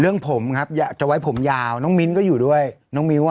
เรื่องผมครับอยากจะไว้ผมยาวน้องมิ้นก็อยู่ด้วยน้องมิ้วอ่ะ